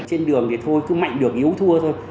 trên đường thì thôi cứ mạnh được yếu thua thôi